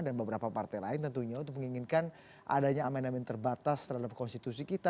dan beberapa partai lain tentunya untuk menginginkan adanya amandaman terbatas terhadap konstitusi kita